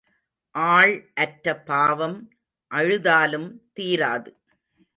ஆள் அற்ற பாவம் அழுதாலும் தீராது.